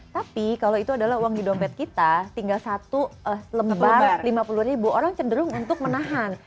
tapi kalau itu adalah uang di dompet kita tinggal satu lembar lima puluh ribu orang cenderung untuk menahan